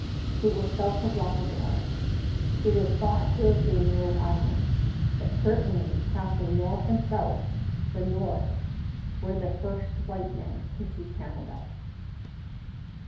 It was south of Labrador. It is thought to have been Rhode Island; but certainly, passing north and south, the Norse were the first white men to see Canada.